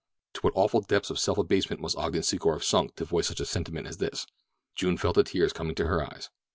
To what awful depths of self abasement must Ogden Secor have sunk to voice such a sentiment as this! June felt the tears coming to her eyes.